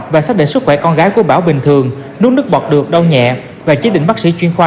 và xác định sức khỏe con gái của bảo bình thường nuốt nước bọt được đau nhẹ và chế định bác sĩ chuyên khoa